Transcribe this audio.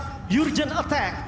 dan menyebabkan kekerasan